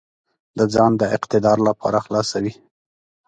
د ځان د اقتدار لپاره خلاصوي.